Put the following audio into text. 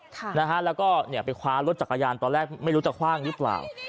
ค่ะนะฮะแล้วก็เนี่ยไปคว้ารถจักรยานตอนแรกไม่รู้จะคว่างหรือเปล่า